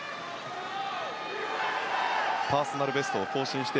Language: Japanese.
パーソナルベストを更新して